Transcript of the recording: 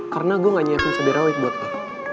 karena gue gak nyiapin cabai rawit buat lo